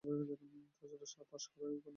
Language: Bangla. তা ছাড়া পাস করার উপায় নেই।